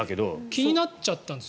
気になっちゃったんです。